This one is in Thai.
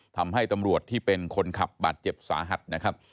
ทำให้ตำรวจที่เป็นคนขับบาดเจ็บสาหัสนะครับ